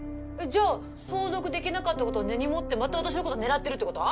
じゃあ相続できなかったことを根に持ってまた私のこと狙ってるってこと？